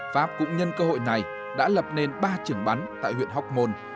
pháp cũng nhân cơ hội này đã lập nên ba trưởng bắn tại huyện hóc môn